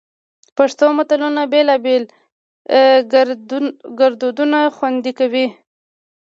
پښتو متلونه بېلابېل ګړدودونه خوندي کوي